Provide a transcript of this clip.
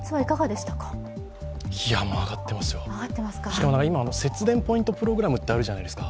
しかも今、節電ポイントプログラムってあるじゃないですか。